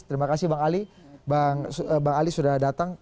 terima kasih bang ali bang ali sudah datang